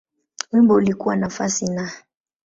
Wimbo ulikuwa nafasi Na.